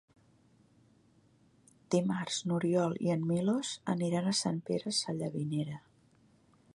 Dimarts n'Oriol i en Milos aniran a Sant Pere Sallavinera.